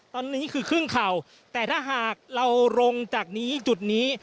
ตอนนี้คือครึ่งเข่าแต่ถ้าหากเราลงจากนี้จุดนี้